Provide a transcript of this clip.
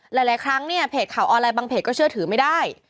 หลายครั้งเนี่ยเพจข่าวออนไลน์บางเพจก็เชื่อถือไม่ได้